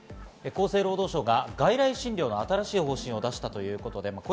厚生労働省が外来診療の新しい方針を出したということです。